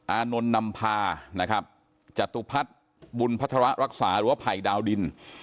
อานนท์นำพานะครับจตุพัฒน์บุญพัฒระรักษาหรือว่าภัยดาวดิน